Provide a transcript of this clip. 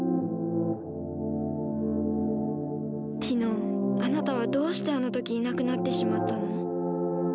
ティノあなたはどうしてあの時いなくなってしまったの？